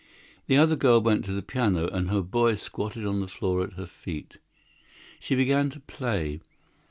The other girl went to the piano, and her boy squatted on the floor at her feet. She began to play....